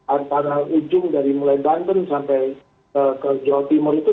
antara ujung dari mulai banten sampai ke jawa timur itu